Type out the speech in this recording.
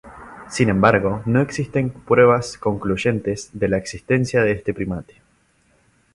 Sin embargo, no existen pruebas concluyentes de la existencia de este primate.